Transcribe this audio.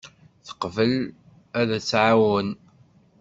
Teqbel ad aɣ-tɛawen.